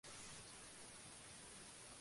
Instituto Andaluz del Patrimonio Histórico.